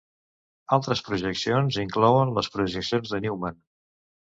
Altres projeccions inclouen les projeccions de Newman.